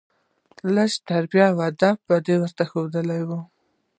لېږ ادب او تربيه به دې ورته ښودلى وه.